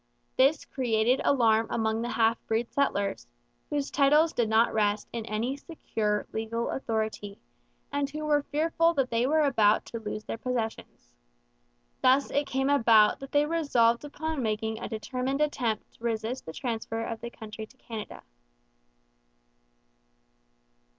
This created alarm among the half breed settlers, whose titles did not rest in any secure legal authority, and who were fearful that they were about to lose their possessions. Thus it came about that they resolved upon making a determined attempt to resist the transfer of the country to Canada.